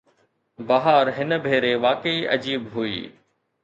بهار هن ڀيري واقعي عجيب هئي.